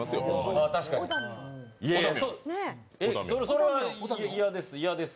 それは嫌です。